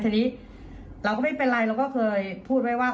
ทีนี้เราก็ไม่เป็นไรเราก็เคยพูดไว้ว่า